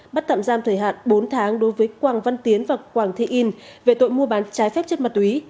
bắt tạm giam thời hạn bốn tháng đối với quảng văn tiến và quảng thị in về tội mua bán trái phép chất ma túy